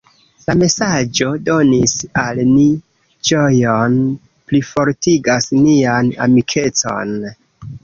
La mesaĝo donis al ni ĝojon, plifortigas nian amikecon.